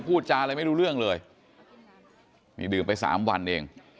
พูดจาอะไรไม่รู้เรื่องเลยนี่ดื่มไปสามวันเอง